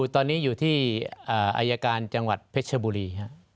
ตอนนี้อยู่ที่อายการจังหวัดเพชรบุรี